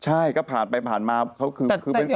ใช่ก็ผ่านไปคือ